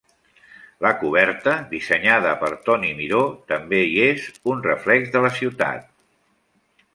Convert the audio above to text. La coberta, dissenyada per Toni Miró, també hi és un reflex de la ciutat.